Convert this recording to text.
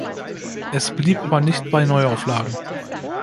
Es blieb aber nicht bei Neuauflagen.